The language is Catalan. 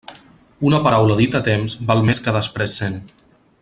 Una paraula dita a temps val més que després cent.